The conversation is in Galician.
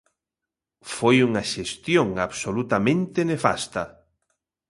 Foi unha xestión absolutamente nefasta.